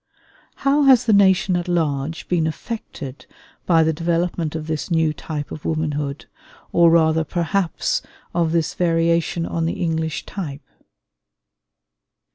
How has the nation at large been affected by the development of this new type of womanhood, or rather perhaps of this variation on the English type?